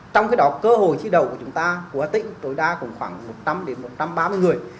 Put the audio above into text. trong cái đó cơ hội thi đầu của chúng ta của hà tĩnh tối đa khoảng một trăm linh đến một trăm ba mươi người